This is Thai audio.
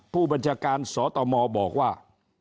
ผู้บัญชาการสตมบอกว่า